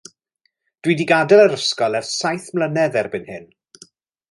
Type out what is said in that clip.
Dw i 'di gadael yr ysgol ers saith mlynedd erbyn hyn.